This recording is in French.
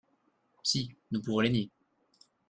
Si, nous pouvons les nier